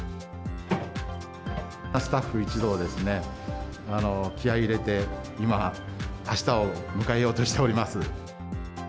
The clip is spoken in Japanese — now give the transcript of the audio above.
スタッフ一同ですね、気合いを入れて、今、あしたを迎えようとしております。